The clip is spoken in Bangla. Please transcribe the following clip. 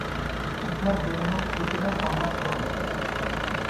ইথার জন্য খুচরা সমর্থন।